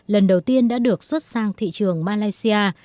lần đầu tiên đã được xuất sang thị trường malaysia